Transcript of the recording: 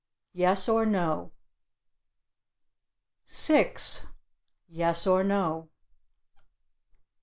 "Yes or no." 6. "Yes or no."